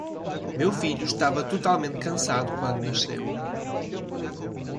Meu filho estava totalmente cansado quando nasceu.